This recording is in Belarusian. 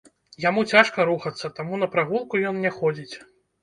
Яму цяжка рухацца, таму на прагулку ён не ходзіць.